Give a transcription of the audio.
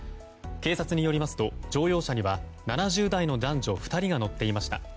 警察によりますと乗用車には７０代の男女２人が乗っていました。